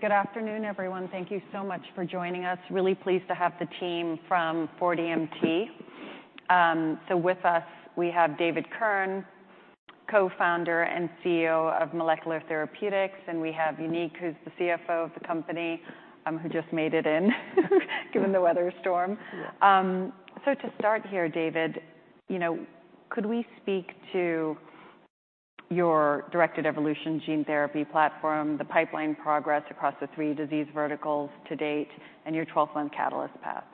Good afternoon everyone. Thank you so much for joining us. Really pleased to have the team from 4DMT. So with us we have David Kirn, Co-Founder and CEO of 4D Molecular Therapeutics. And we have Uneek, who's the CFO of the company who just made it in given the weather storm. So to start here, David, you know, could we speak to your directed evolution gene therapy platform, the pipeline progress across the three disease verticals to date and your 12-month catalyst path.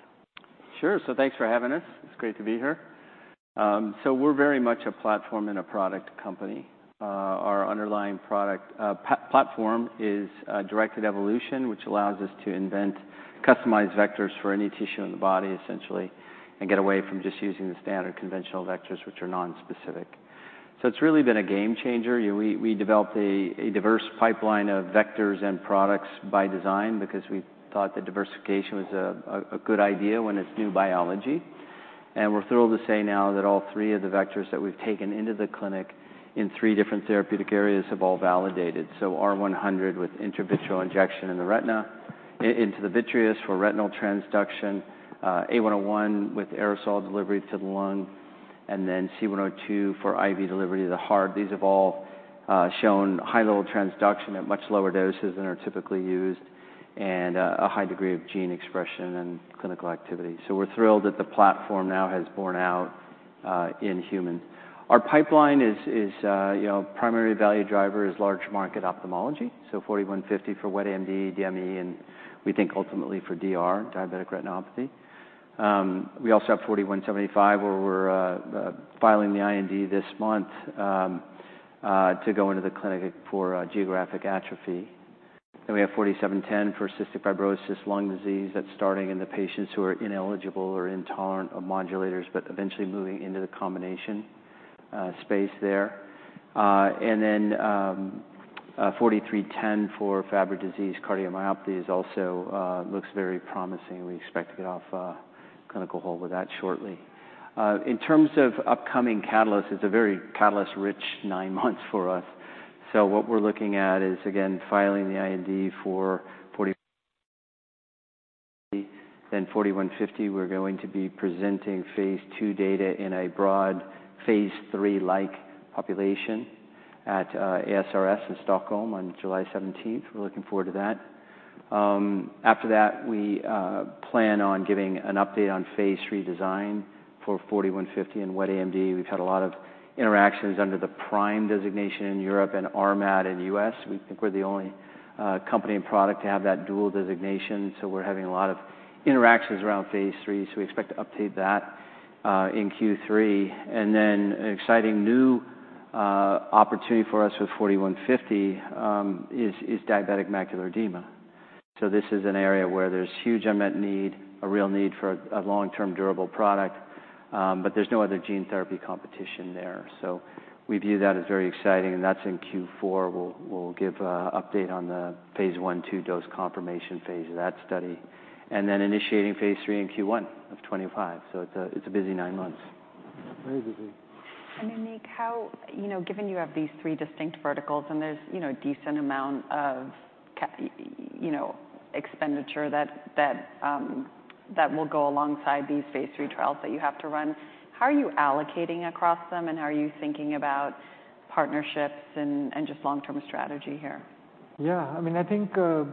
Sure. So thanks for having us. It's great to be here. So we're very much a platform and a product company. Our underlying product platform is directed evolution, which allows us to invent customized vectors for any tissue in the body essentially and get away from just using the standard conventional vectors which are nonspecific. So it's really been a game changer. We developed a diverse pipeline of vectors and products by design because we thought that diversification was a good idea when it's new biology. And we're thrilled to say now that all three of the vectors that we've taken into the clinic in three different therapeutic areas have all validated. So R100 with intravitreal injection in the retina into the vitreous for retinal transduction, A101 with aerosol delivery to the lung and then C102 for IV delivery to the heart. These have all shown high level transduction at much lower doses than are typically used and a high degree of gene expression and clinical activity. So we're thrilled that the platform now has borne out in human. Our pipeline is, you know, primary value driver is large market ophthalmology. So 4D-150 for wet AMD, DME and we think ultimately for DR diabetic retinopathy. We also have 4D-175 where we're filing the IND this month to go into the clinic for geographic atrophy. Then we have 4D-710 for cystic fibrosis, lung disease. That's starting in the patients who are ineligible or intolerant of modulators, but eventually moving into the combination space there. And then 4D-310 for Fabry disease. Cardiomyopathy also looks very promising. We expect to get off clinical hold with that shortly. In terms of upcoming catalysts, it's a very catalyst rich nine months for us. So what we're looking at is again filing the IND for 4D-150, then 4D-150. We're going to be presenting phase 2 data in a broad phase 3-like population at ASRS in Stockholm on July 17th. We're looking forward to that. After that we plan on giving an update on phase 3 design for 4D-150 and wet AMD. We've had a lot of interactions under the PRIME designation in Europe and RMAT in the U.S. We think we're the only company and product to have that dual designation. So we're having a lot of interactions around phase 3. So we expect to update that in Q3 and then an exciting new opportunity for us with 4D-150 is diabetic macular edema. So this is an area where there's huge unmet need, a real need for a long term durable product. There's no other gene therapy competition there so we view that as very exciting. That's in Q4. We'll give update on the phase 1/2 dose confirmation phase of that study and then initiating phase 3 and Q1 of 2025. It's a busy nine months. Uneek, how, you know, given you have these three distinct verticals and there's, you know, a decent amount of, you know, expenditure that will go alongside these phase three trials that you have to run. How are you allocating across them and how are you thinking about partnerships and just long term strategy here? Yeah, I mean, I think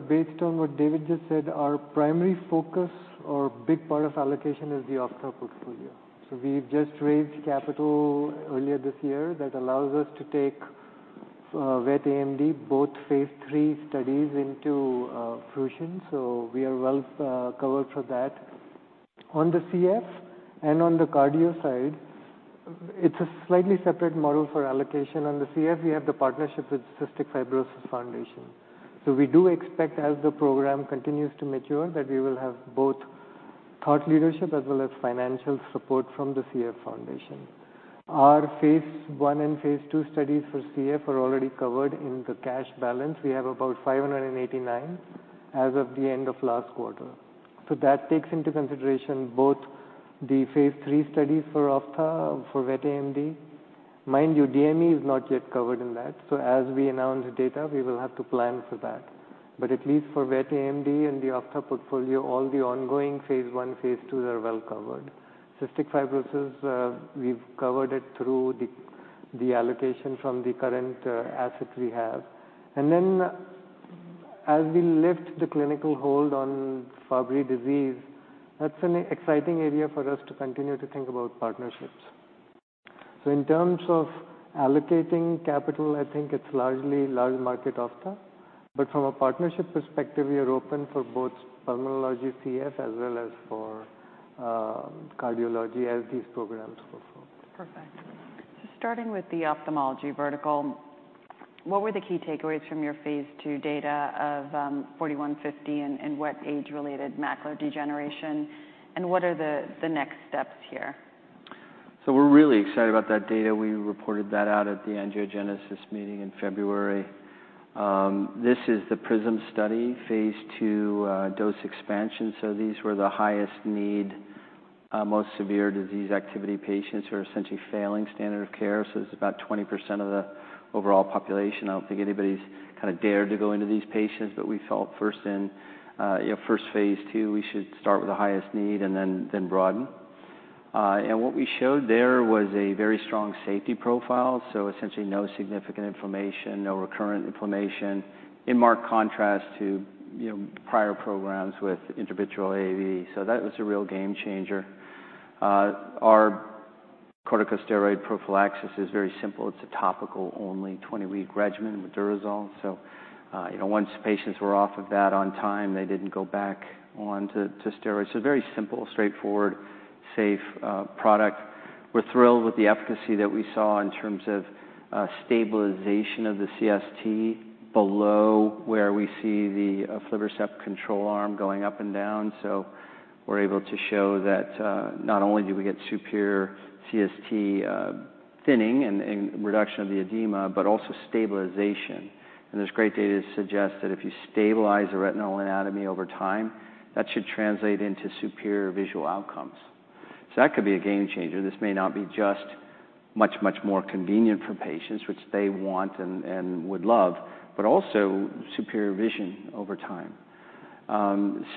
based on what David just said, our primary focus or big part of allocation is the ophthalmic portfolio. So we've just raised capital earlier this year that allows us to take wet AMD, both phase 3 studies into fruition. So we are well covered for that on the CF and on the cardio side it's a slightly separate model for allocation. On the CF we have the partnership with Cystic Fibrosis Foundation. So we do expect as the program continues to mature that we will have both thought leadership as well as financial support from the CF Foundation. Our phase 1 and phase 2 studies for CF are already covered in the cash balance we have about $589 million as of the end of last quarter. So that takes into consideration both the phase 3 studies for ophtha for wet AMD, mind you, DME is not yet covered in that. So as we announce data we will have to plan for that. But at least for wet AMD and the ophtha portfolio, all the ongoing phase 1, phase 2 are well covered. Cystic fibrosis, we've covered it through the allocation from the current assets we have. And then as we lift the clinical hold on Fabry disease, that's an exciting area for us to continue to think about partnerships. So in terms of allocating capital. I think it's largely large market ophtha. But from a partnership perspective, we are open for both pulmonology CF as well as for cardiology as these programs perform perfect. Starting with the ophthalmology vertical. What were the key takeaways from your phase 2 data of 4D-150 and wet age-related macular degeneration and what are the next steps here? So we're really excited about that data. We reported that out at the Angiogenesis meeting in February. This is the PRISM study, phase two dose expansion. So these were the highest need, most severe disease activity, patients who are essentially failing standard of care. So it's about 20% of the overall population. I don't think anybody's kind of dared to go into these patients. But we felt first in first phase two, we should start with the highest need and then broaden. And what we showed there was a very strong safety profile. So essentially no significant inflammation, no recurrent inflammation, in marked contrast to, you know, prior programs with intravitreal AAV. So that was a real game changer. Our corticosteroid prophylaxis is very simple. It's a topical-only 20-week regimen with Durezol. So, you know, once patients were off of that on time, they didn't go back onto steroids. So very simple, straightforward, safe product. We're thrilled with the efficacy that we saw in terms of stabilization of the CST below, where we see the aflibercept control arm going up and down. So we're able to show that not only do we get superior CST thinning and reduction of the edema, but also stabilization. And there's great data to suggest that if you stabilize the retinal anatomy over time, that should translate into superior visual outcomes. So that could be a game changer. This may not be just much, much more convenient for patients, which they want and would love, but also superior vision over time.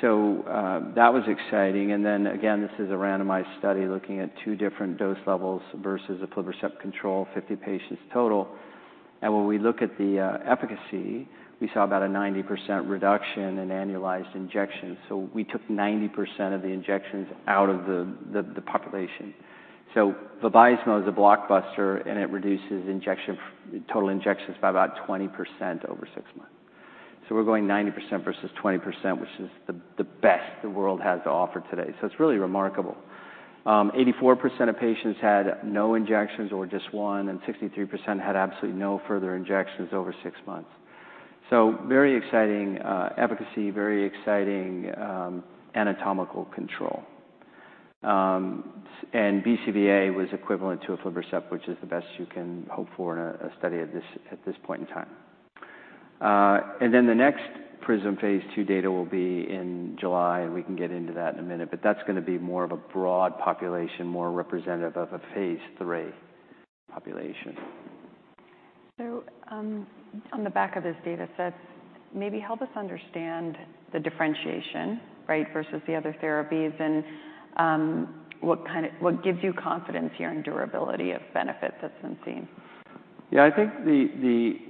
So that was exciting. And then again, this is a randomized study looking at two different dose levels versus an aflibercept control. 50 patients total. And when we look at the efficacy, we saw about a 90% reduction in annualized injections. So we took 90% of the injections out of the population. So Vabysmo is a blockbuster and it reduces injection total injections by about 20% over six months. So we're going 90% versus 20%, which is the best the world has to offer today. So it's really remarkable. 84% of patients had no injections or just one. And 63% had absolutely no further injections over six months. So very exciting efficacy, very exciting anatomical control. And BCVA was equivalent to aflibercept, which is the best you can hope for in a study at this point in time. And then the next PRISM phase 2 data will be in July and we can get into that in a minute. But that's going to be more of a broad population, more representative of a phase 3 population. On the back of this data set, maybe help us understand the differentiation. Right. Versus the other therapies and what gives you confidence here and durability of benefits that's been seen. Yeah, I think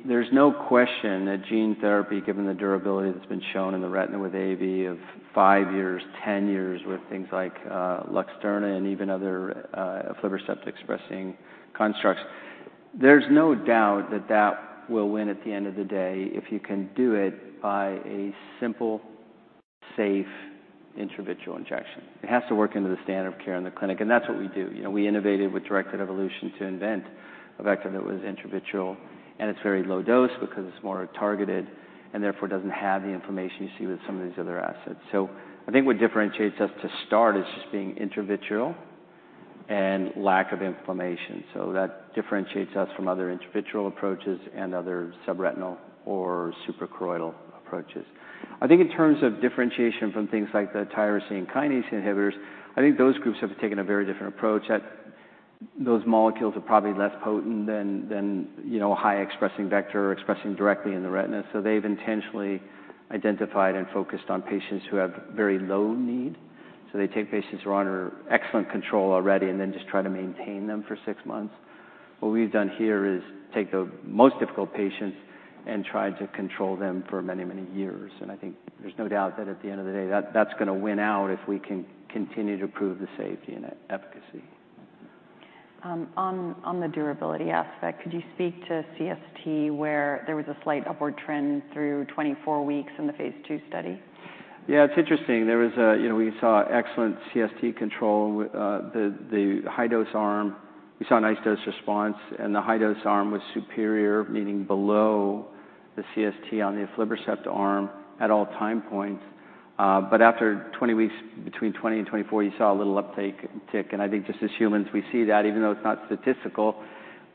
there's no question that gene therapy, given the durability that's been shown in the retina with AAV, have 5 years, 10 years with things like Luxturna and even other aflibercept expressing constructs, there's no doubt that that will win at the end of the day, if you can do it by a simple, safe intravitreal injection, it has to work into the standard of care in the clinic. That's what we do. You know, we innovated with directed evolution to invent a vector that was intravitreal and it's very low dose because it's more targeted and therefore doesn't have the inflammation you see with some of these other assets. I think what differentiates us to start, is just being intravitreal and lack of inflammation. That differentiates us from other intravitreal approaches and other subretinal or suprachoroidal approaches. I think in terms of differentiation from things like the tyrosine kinase inhibitors, I think those groups have taken a very different approach. Those molecules are probably less potent than, you know, high expressing vector or expressing directly in the retina. So they've intentionally identified and focused on patients who have very low need. So they take patients who are under excellent control already and then just try to maintain them for six months. What we've done here is take the most difficult patients and try to control them for many, many years. And I think there's no doubt that at the end of the day that that's going to win out if we can continue to prove the safety and its efficacy. On the durability aspect. Could you speak to CST where there was a slight upward trend through 24 weeks in the phase 2 study? Yeah, it's interesting. There was a, you know, we saw excellent CST control. The high dose arm, we saw a nice dose response and the high dose arm was superior, meaning below the CST on the aflibercept arm at all time points. But after 20 weeks, between 20 and 24, you saw a little uptake tick. And I think just as humans we see that even though it's not statistical,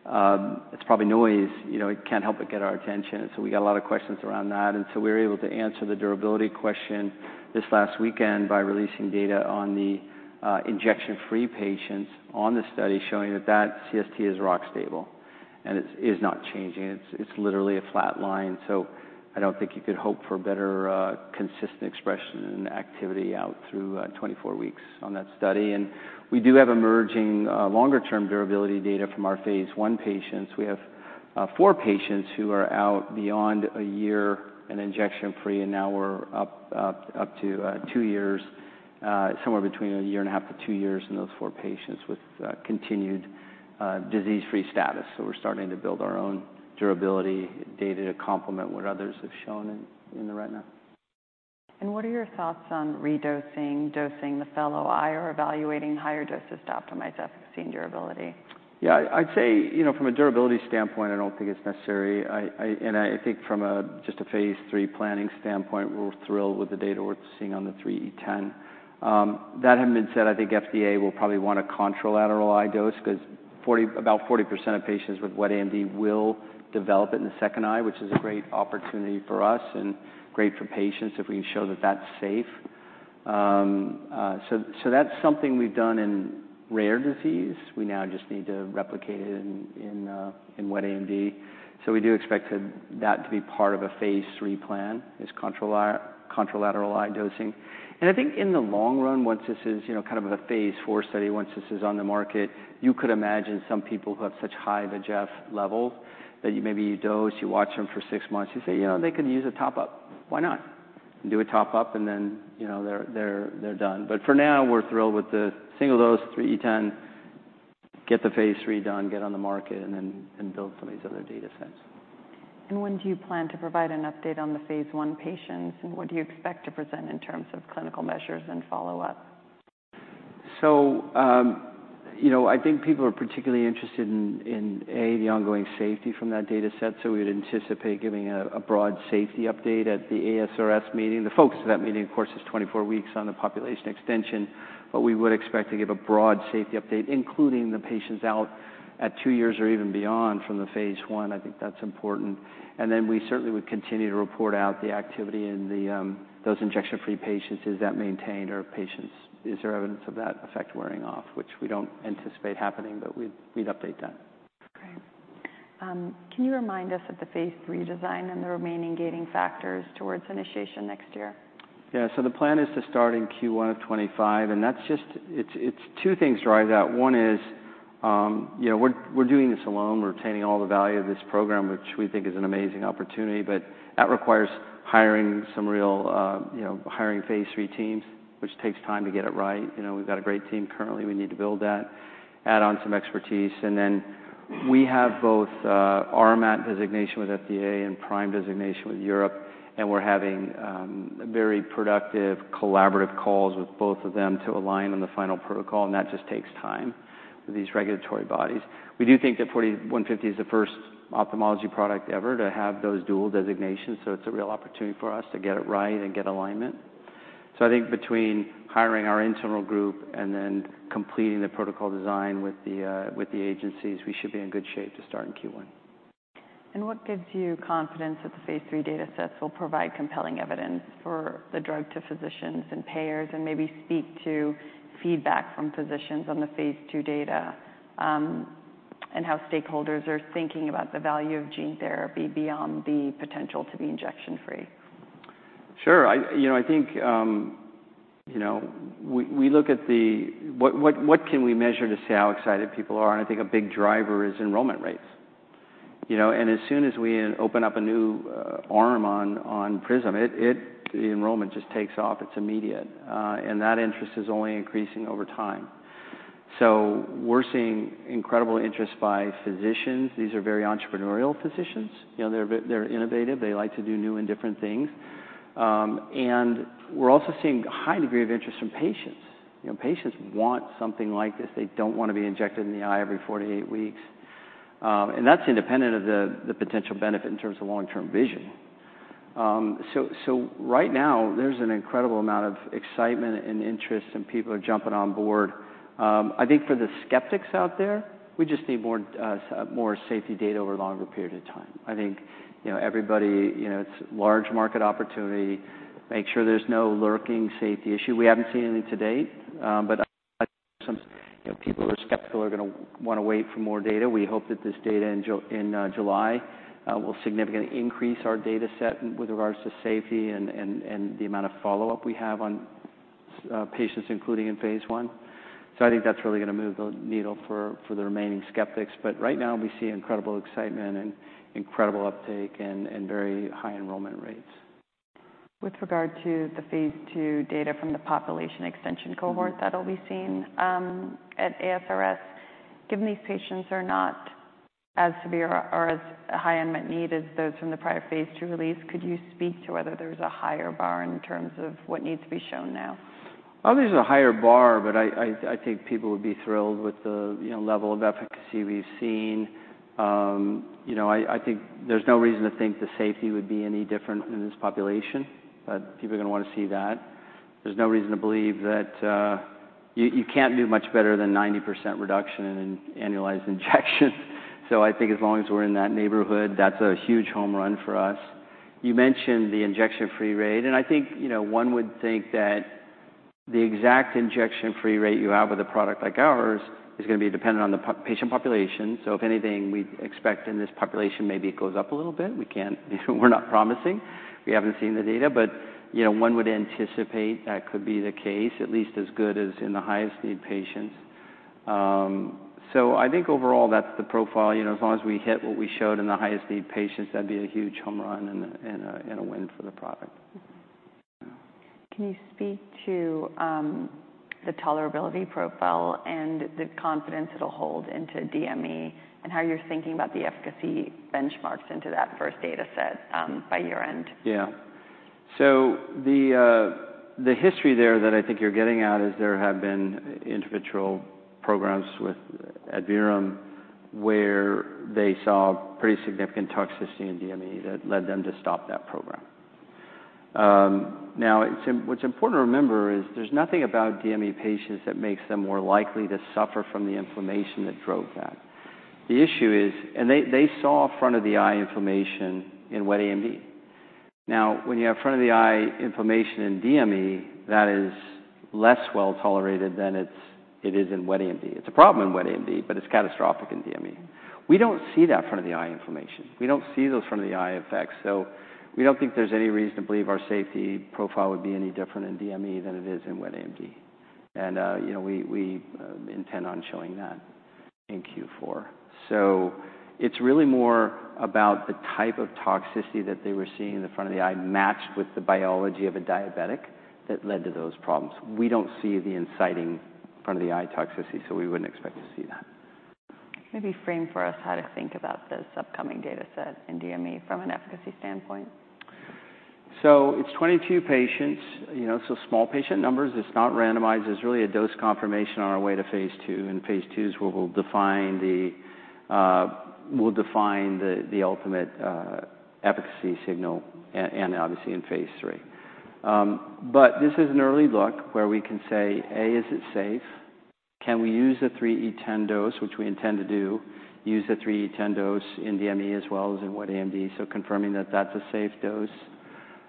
it's probably noise, you know, it can't help but get our attention. So we got a lot of questions around that. And so we were able to answer the durability question this last weekend by releasing data on the injection free patients on the study showing that that CST is rock stable and it is not changing. It's literally a flat line. So I don't think you could hope for better consistent expression and activity out through 24 weeks on that study. We do have emerging longer term durability data from our phase 1 patients. We have 4 patients who are out beyond a year and injection free and now we're up to 2 years, somewhere between a year and a half to 2 years in those 4 patients with continued disease free status. So we're starting to build our own durability data to complement what others have shown in the retina. What are your thoughts on redosing dosing the fellow eye or evaluating higher doses to optimize efficacy and durability? Yeah, I'd say from a durability standpoint I don't think it's necessary. I think from just a phase 3 planning standpoint we're thrilled with the data we're seeing on the 3E10 that had been said. I think FDA will probably want a contralateral eye dose because about 40% of patients with wet AMD will develop it in the second eye, which is a great opportunity for us and great for patients if we show that that's safe. So that's something we've done in rare disease; we now just need to replicate it in wet AMD. So we do expect that to be part of a phase 3 plan is contralateral eye dosing. And I think in the long run once it is, you know, kind of a phase 4 study, once this is on the market. You could imagine some people who have such high VEGF levels that you maybe you dose, you watch them for six months, you say, you know, they could use a top up, why not do a top up and then you know, they're done. But for now we're thrilled with the single dose 3E10, get the phase 3 done, get on the market and build some of these other data sets. When do you plan to provide an update on the phase 1 patients and what do you expect to present in terms of clinical measures and follow up? So you know, I think people are particularly interested in the ongoing safety from that data set. So we would anticipate giving a broad safety update at the ASRS meeting. The focus of that meeting of course is 24 weeks on the population extension. But we would expect to give a broad safety update including the patients out at two years or even beyond from the phase one. I think that's important. And then we certainly would continue to report out the activity in those injection-free patients. Is that maintained or patients is there evidence of that effect wearing off which we don't anticipate happening, but we'd update that. Can you remind us of the phase 3 design and the remaining gating factors towards initiation next year? Yeah. So the plan is to start in Q1 of 2025. And that's just. It's two things drive that. One is, you know, we're doing this alone, retaining all the value of this program which we think is an amazing opportunity. But that requires hiring some real, you know, hiring phase 3 teams which takes time to get it right. You know, we've got a great team currently. We need to build that, add on some expertise and then we have both RMAT designation with FDA and PRIME designation with Europe. And we're having very productive collaborative calls with both of them to align on the final protocol. And that just takes time with these regulatory bodies. We do think that 4D-150 is the first ophthalmology product ever to have those dual designations. So it's a real opportunity for us to get it right and get alignment. I think between hiring our internal group and then completing the protocol design with the agencies, we should be in good shape to start in Q1. What gives you confidence that the phase 3 data sets will provide compelling evidence the drug to physicians and payers, and maybe speak to feedback from physicians on the phase 2 data and how stakeholders are thinking about the value of gene therapy beyond the potential to be injection free? Sure. I think we look at the, what can we measure to see how excited people are? And I think a big driver is enrollment rates. And as soon as we open up a new arm on PRISM, the enrollment just takes off. It's immediate and that interest is only increasing over time. So we're seeing incredible interest by physicians. These are very entrepreneurial physicians. You know, they're innovative, they like to do new and different things. And we're also seeing a high degree of interest from patients. You know, patients want something like this. They don't want to be injected in the eye every 4-8 weeks. And that's independent of the potential benefit in terms of long-term vision. So right now there's an incredible amount of excitement and interest and people are jumping on board. I think for the skeptics out there, we just need more safety data over a longer period of time. I think, you know, everybody, you know, it's large market opportunity, make sure there's no lurking safety issue. We haven't seen any to date, but people are skeptical, are going to want to wait for more data. We hope that this data in July will significantly increase our data set with regards to safety and the amount of follow up we have on patients, including in phase 1. So I think that's really going to move the needle for the remaining skeptics. But right now we see incredible excitement and incredible uptake and very high enrollment. Regarding the phase 2 data from the population extension cohort that will be seen at ASRS. Given these patients are not as severe or as high unmet need as those from the prior phase 2 release. Could you speak to whether there's a higher bar in terms of what needs to be shown now? There's a higher bar, but I think people would be thrilled with the level of efficacy we've seen. I think there's no reason to think the safety would be any different in this population. But people are going to want to see that. There's no reason to believe that you can't do much better than 90% reduction in annualized injection. So I think as long as we're in that neighborhood, that's a huge home run for us. You mentioned the injection free rate and I think, you know, one would think that the exact injection free rate you have with a product like ours is going to be dependent on the patient population. So if anything, we expect in this population maybe it goes up a little bit. We can't, we're not promising. We haven't seen the data but you know, one would anticipate that could be the case at least as good as in the highest need patients. So I think overall that's the profile. You know, as long as we hit what we showed in the highest need patients, that'd be a huge home run and a win for the product. Can you speak to the tolerability profile and the confidence it'll hold into DME and how you're thinking about the efficacy benchmarks into that first data set by year end? Yeah. So the history there that I think you're getting at is there have been intravitreal programs with AAV where they saw pretty significant toxicity in DME that led them to stop that program. Now what's important to remember is there's nothing about DME patients that makes them more likely to suffer from, from the inflammation that drove that. The issue is, and they saw front of the eye inflammation in wet AMD. Now when you have front of the eye inflammation in DME that is less well tolerated than it is in wet AMD, it's a problem in wet AMD, but it's catastrophic in DME. We don't see that front of the eye inflammation, we don't see those front of the eye effects. So we don't think there's any reason to believe our safety profile would be any different in DME than it is in wet AMD. You know, we intend on showing that in Q4. It's really more about the type of toxicity that they were seeing in the front of the eye matched with the biology of a diabetic that led to those problems. We don't see the inciting front of the eye toxicity, so we wouldn't expect. To see that, maybe frame for us how to think about this upcoming data set in DME from an efficacy standpoint. So it's 22 patients, you know, so small patient numbers, it's not randomized. It's really a dose confirmation on our way to phase 2. In phase 2 is where we'll define the, we'll define the ultimate efficacy signal and obviously in phase 3, but this is an early look where we can say, is it safe? Can we use the 3E10 dose, which we intend to do, use the 3E10 dose in DME as well as in wet AMD. So confirming that that's a safe dose.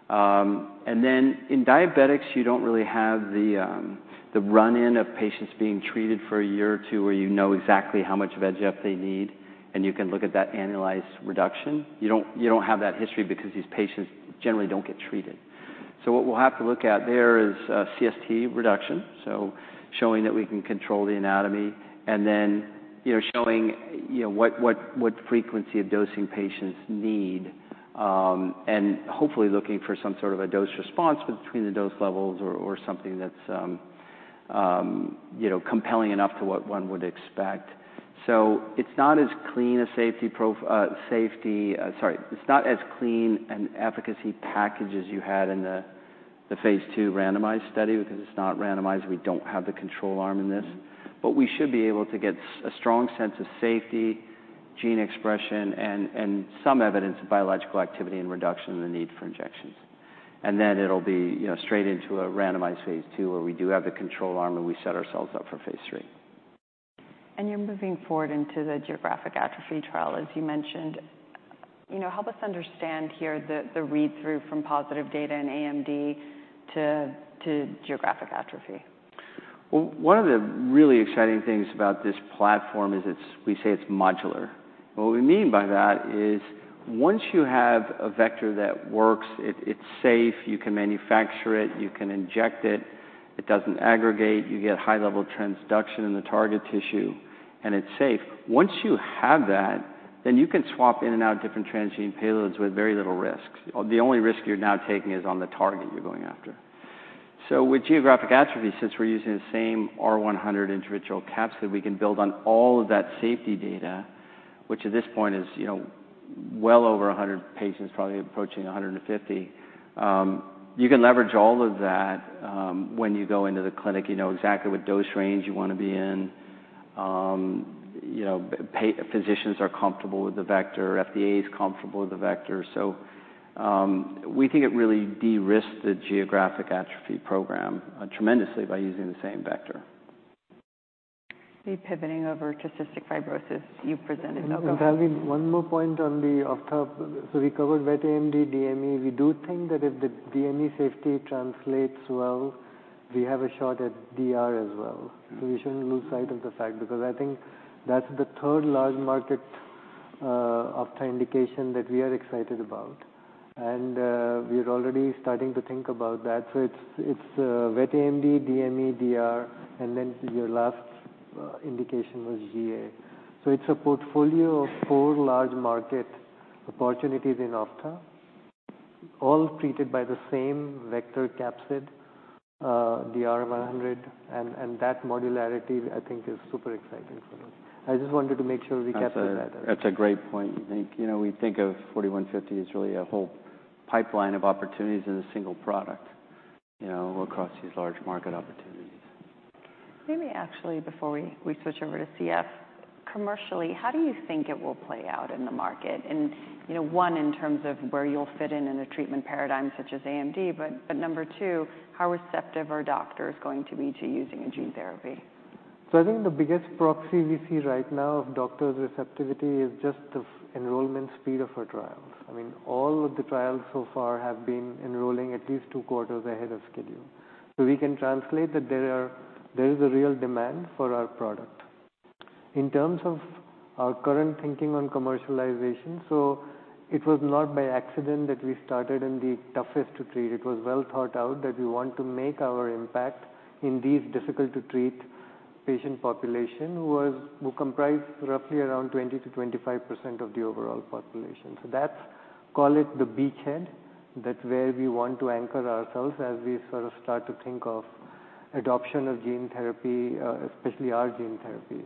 And then in diabetics you don't really have the run in of patients being treated for a year or two where you know exactly how much VEGF they need. And you can look at that annualized reduction, you don't have that history because these patients generally don't get treated. So what we'll have to look at there is CST reduction. So showing that we can control the anatomy and then, you know, showing, you know, what, what frequency of dosing patients need and hopefully looking for some sort of a dose response between the dose levels or something that's, you know, compelling enough to what one would expect. So it's not as clean a safety. Safety, sorry, it's not as clean an efficacy package as you had in the phase 2 randomized study, because it's not randomized. We don't have the control arm in this, but we should be able to get a strong sense of safety, gene expression and some evidence of biological activity and reduction in the need for injections. And then it'll be straight into a randomized phase 2 where we do have the control arm and we set ourselves up for phase 3. You're moving forward into the geographic atrophy trial, as you mentioned. Help us understand here the read through from positive data in AMD to geographic atrophy. One of the really exciting things about this platform is we say it's modular. What we mean by that is once you have a vector that works, it's safe. You can manufacture it, you can inject it. It doesn't aggregate, you get high level transduction in the target tissue and it's safe. Once you have that, then you can swap in and out different transgene payloads with very little risk. The only risk you're now taking is on the target you're going after. So with geographic atrophy, since we're using the same R100 intravitreal capsid, we can build on all of that safety data, which at this point is, you know, well over 100 patients, probably approaching 150. You can leverage all of that when you go into the clinic. You know exactly what dose range you want to be in. You know, physicians are comfortable with the vector, FDA is comfortable with the vector. So we think it really de-risks the geographic atrophy program tremendously by using the same vector. Pivoting over to cystic fibrosis. You presented one more point on the, so we covered wet AMD, DME. We do think that if the DME safety translates well, we have a shot at DR as well. So we shouldn't lose sight of the fact because I think that's the third large market opportunity that we are excited about and we are already starting to think about that. So it's wet AMD, DME, DR. And then your last indication was GA. So it's a portfolio of four large market opportunities in ophthalmology, all treated by the same vector capsid R100. And that modularity I think is super exciting for us. I just wanted to make sure we capture that. That's a great point. You know, we think of 4D-150 as really a whole pipeline of opportunities in a single product, you know, across these large market opportunities. Maybe actually before we switch over to CF commercially, how do you think it will play out in the market and one in terms of where you'll fit in in a treatment paradigm such as AMD? But number two, how receptive are doctors going to be to using a gene therapy? So I think the biggest proxy we see right now of doctors' receptivity is just the enrollment speed of our trials. I mean all of the trials so far have been enrolling at least 2 quarters ahead of schedule. So we can translate that there is a real demand for our product in terms of our current thinking on commercialization. So it was not by accident that we started in the toughest to treat. It was well thought out that we want to make our impact in these difficult to treat patient population who comprise roughly around 20%-25% of the overall population. So that's call it the beachhead. That's where we want to anchor ourselves. As we sort of start to think of adoption of gene therapy, especially our gene therapy,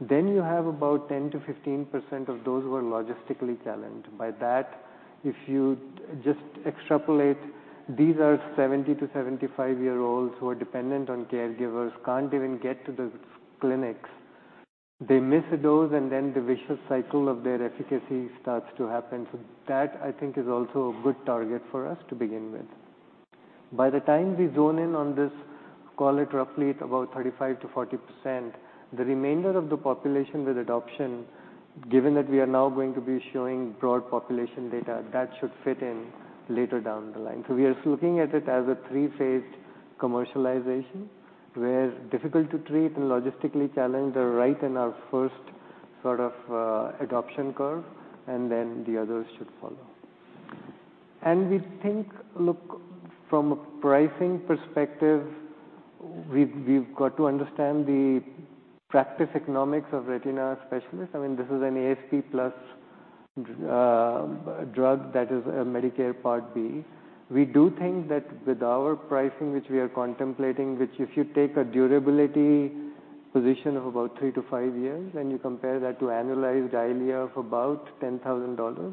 then you have about 10%-15% of those who are logistically challenged by that. If you just extrapolate, these are 70-75-year-olds who are dependent on caregivers, can't even get to the clinics, they miss a dose and then the vicious cycle of their efficacy starts to happen. So that I think is also a good target for us to begin with. By the time we zone in on this call it roughly about 35%-40% the remainder of the population with adoption. Given that we are now going to be showing broad population data that should fit in later down the line. So we are looking at it as a three phase commercialization where difficult to treat and logistically challenged are right in our first sort of adoption curve and then the others should follow. And we think look from a pricing perspective, we've got to understand the practice economics of retina specialists. I mean this is an ASP plus drug that is a Medicare Part B. We do think that with our pricing which we are contemplating, which if you take a durability position of about 3-5 years and you compare that to annualized Eylea year of about $10,000,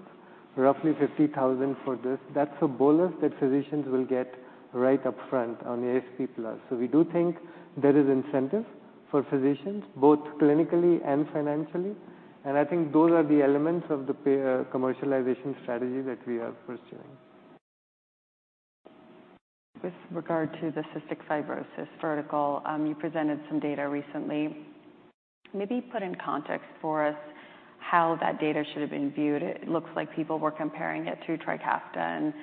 roughly $50,000 for this, that's a bolus that physicians will get right up front on ASP. So we do think there is incentive for physicians both clinically and financially. And I think those are the elements of the commercialization strategy that we are pursuing. With regard to the cystic fibrosis vertical. You presented some data recently, maybe put in context for us how that data should have been viewed. It looks like people were comparing it to Trikafta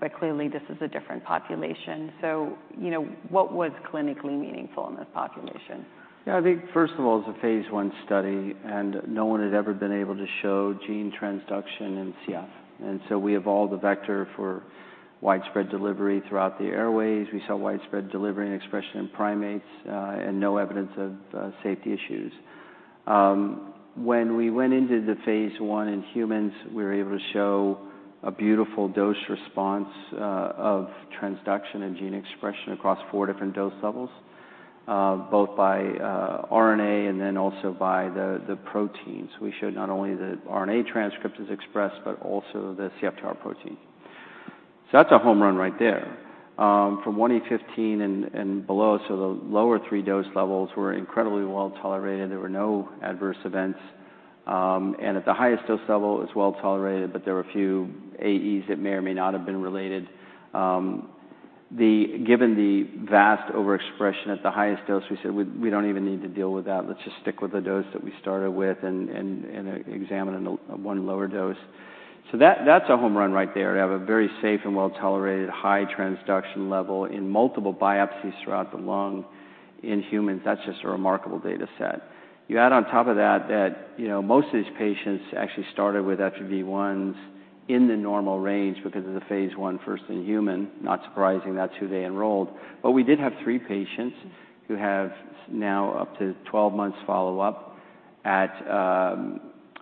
but clearly this is a different population. So you know what was clinically meaningful in this population? Yeah, I think first of all, it's a phase 1 study, and no one had ever been able to show gene transduction in CF. And so we evolved the vector for widespread delivery throughout the airway. We saw widespread delivery and expression in primates and no evidence of safety issues. When we went into the phase 1 in humans, we were able to show a beautiful dose response of transduction and gene expression across 4 different dose levels, both by RNA and then also by the proteins. We showed not only the RNA transcript is expressed, but also the CFTR protein. So that's a home run right there from 1E15 and below. So the lower 3 dose levels were incredibly well tolerated. There were no adverse events, and at the highest dose level it was well tolerated. But there were a few AEs that may or may not have been related. Given the vast overexpression at the highest dose, we said, we don't even need to deal with that, let's just stick with the dose that we see, started with and examined one lower dose. So that's a home run right there to have a very safe and well tolerated high transduction level in multiple biopsies throughout the lung in humans. That's just a remarkable data set. You add on top of that that, you know, most of these patients actually started with FEV1s in the normal range because of the phase 1 first in human. Not surprising, that's who they enrolled. But we did have three patients, patients who have now up to 12 months follow up at,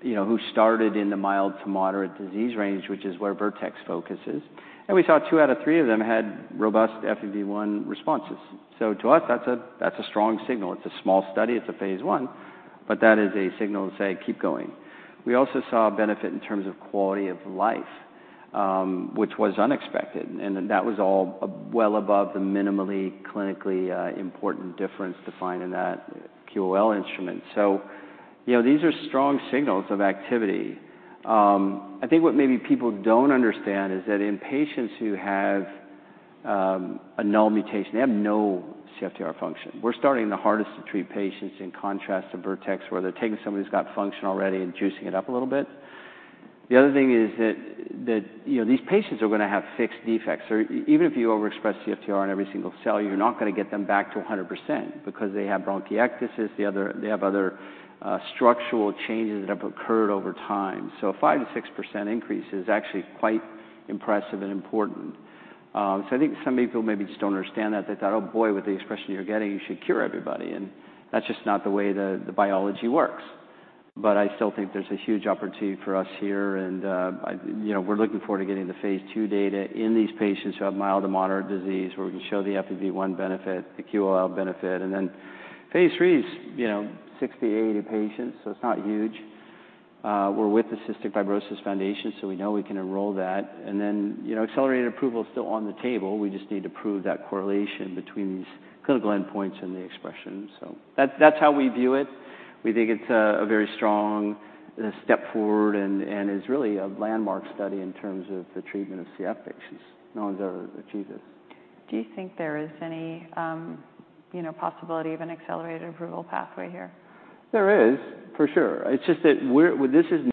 you know, who started in the mild to moderate disease range, which is where Vertex focuses. And we saw 2 out of 3 of them had robust FEV1 responses. So to us that's a, that's a strong signal. It's a small study, it's a phase 1, but that is a signal to say keep going. We also saw a benefit in terms of quality of life, which was, was unexpected. And that was all well above the minimally clinically important difference defined in that QoL instrument. So, you know, these are strong signals of activity. I think what maybe people don't understand is that in patients who have a null mutation, they have no CFTR function. We're starting the hardest to treat patients in contrast to Vertex, where they're taking somebody who's got function already and juicing it up a little bit. The other thing is that these patients are going to have fixed defects. Even if you over express CFTR on every single cell, you're not going to get them back to 100% because they have bronchiectasis. They have other structural changes that have occurred over time. So 5%-6% increase is actually quite impressive and important. So I think some people maybe just don't understand that. They thought, oh, boy, with the expression you're getting, you should cure everybody. And. And that's just not the way the biology works. But I still think there's a huge opportunity for us here, and we're looking forward to getting the phase two data in these patients who have mild to moderate disease, where we can show the FEV1 benefit, the QoL benefit, and then phase three is 60-80 patients. So it's not huge. We're with the Cystic Fibrosis Foundation, so we know we can enroll that. And then accelerated approval is still on the table. We just need to prove that correlation between these clinical endpoints and the expression. So that's how we view it. We think it's a very strong step forward and is really a landmark study in terms of the treatment of CF patients. No one's ever achieved this. Do you think there is any possibility of an accelerated approval pathway here? There is for sure. It's just that this is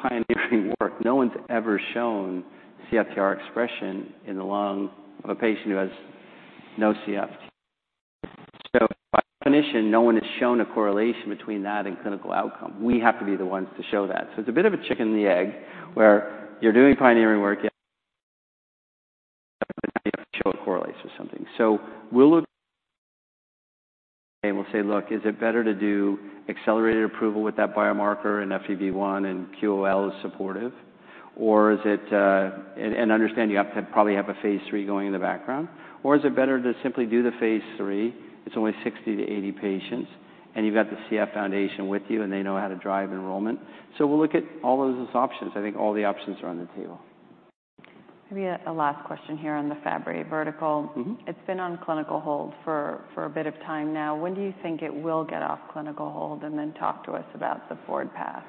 pioneering work. No one's ever shown CFTR expression in the lung of a patient who has no CFTR. So by definition, no one has shown a correlation between that and clinical outcome. We have to be the ones to show that. So it's a bit of a chicken and the egg where you're doing pioneering work, but now you have to show it correlates with something. So we'll look and we'll say, look, is it better to do accelerated approval with that biomarker and FEV1 and QoL is supportive, or is it? And understand, you have to probably have a phase three going in the background, or is it better to simply do the phase three? It's only 60-80 patients and you've got the CF Foundation with you and they know how to drive enrollment. We'll look at all of those options. I think all the options are on the table. Maybe a last question here on the Fabry vertical. It's been on clinical hold for a bit of time now. When do you think it will get off clinical hold? And then talk to us about the forward path.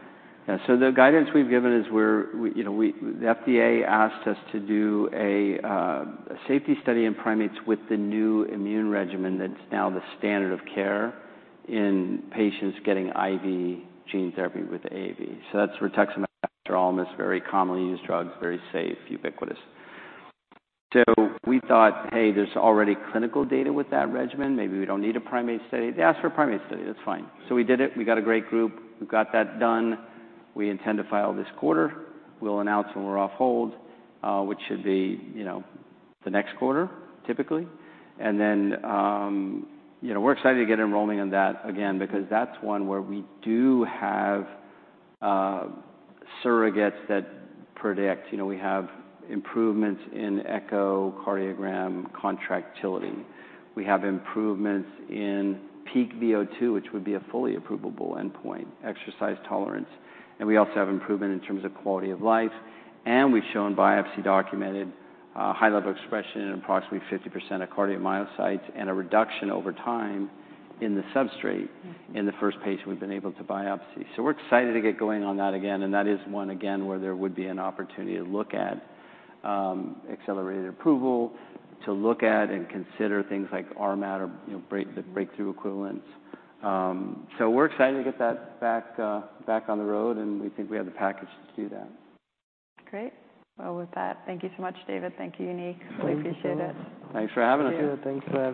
Yeah. So the guidance we've given is the FDA asked us to do a safety study in primates with the new immune regimen. That's now the standard of care in patients getting IV gene therapy with AAV. So that's rituximab, very commonly used drugs, very safe, ubiquitous. So we thought, hey, there's already clinical data with that regimen. Maybe we don't need a primate study. They asked for a primate study. That's fine. So we did it. We got a great group. We got that done. We intend to file this quarter. We'll announce when we're off hold, which should be, you know, the next quarter, typically. And then, you know, we're excited to get enrolling in that again because that's one where we do have surrogates that predict, you know, we have improvements in echocardiogram contractility. We have improvements in Peak VO2, which would be a fully approvable endpoint, exercise tolerance. We also have improvement in terms of quality of life. And we've shown biopsy-documented high-level expression and approximately 50% of cardiomyocytes and a reduction over time in the substrate in the first patient we've been able to biopsy. So we're excited to get going on that again. And that is one again where there would be an opportunity to look at, at accelerated approval to look at and consider things like RMAT or the breakthrough equivalents. So we're excited to get that back on the road, and we think we have the package to do that. Great. Well, with that, thank you so much, David. Thank you, Uneek. Really appreciate it. Thanks for having us. Thanks for having me.